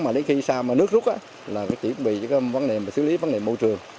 mà đến khi sao mà nước rút là phải chuẩn bị cho vấn đề xử lý vấn đề môi trường